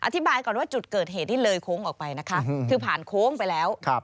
อธิบายก่อนว่าจุดเกิดเหตุนี่เลยโค้งออกไปนะคะคือผ่านโค้งไปแล้ว